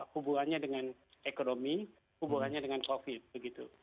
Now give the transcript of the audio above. hubungannya dengan ekonomi hubungannya dengan covid begitu